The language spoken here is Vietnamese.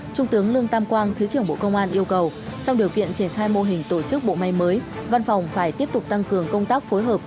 trung tướng lương tam quang thứ trưởng bộ công an yêu cầu trong điều kiện triển khai mô hình tổ chức bộ máy mới văn phòng phải tiếp tục tăng cường công tác phối hợp